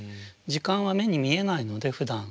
時間は目に見えないのでふだん。